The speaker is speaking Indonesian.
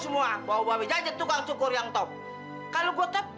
mbak bebe masih hidup